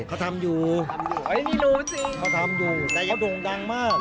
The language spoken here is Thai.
เค้าทำอยู่เค้าทำอยู่เค้าด่งดังมาก